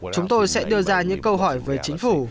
chúng tôi sẽ đưa ra những câu hỏi về chính phủ